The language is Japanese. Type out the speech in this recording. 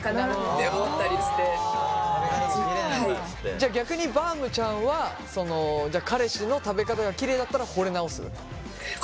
じゃあ逆にバームちゃんは彼氏の食べ方がキレイだったらほれ直す？